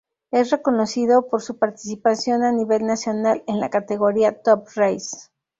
Es reconocido por su participación a nivel nacional en la categoría Top Race.